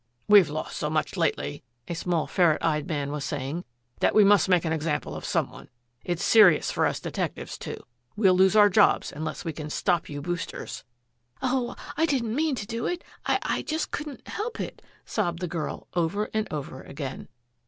"We've lost so much lately," a small ferret eyed man was saying, "that we must make an example of some one. It's serious for us detectives, too. We'll lose our jobs unless we can stop you boosters." "Oh I I didn't mean to do it. I I just couldn't help it," sobbed the girl over and over again.